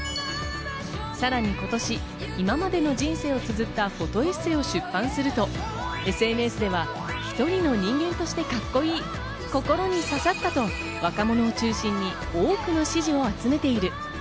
さらに今年、今までの人生をつづったフォトエッセイを出版するとＳＮＳでは、一人の人間としてカッコいい、心にささったと若者を中心に多くの支持を集めている。